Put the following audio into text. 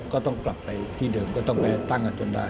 ก็ต้องกลับไปที่เดิมก็ต้องไปตั้งกันจนได้